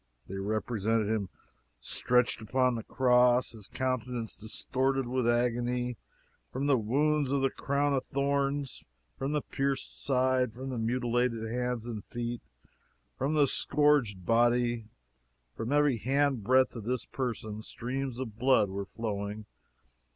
They represented him stretched upon the cross, his countenance distorted with agony. From the wounds of the crown of thorns; from the pierced side; from the mutilated hands and feet; from the scourged body from every hand breadth of his person streams of blood were flowing!